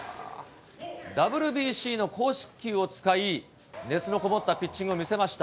ＷＢＣの公式球を使い、熱のこもったピッチングを見せました。